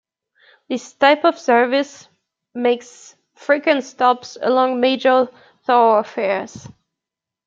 This type of service makes frequent stops along major thoroughfares.